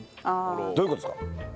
どういう事ですか？